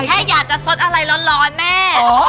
แค่อยากจะสดอะไรร้อนแม่